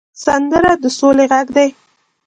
سندره د سولې غږ دی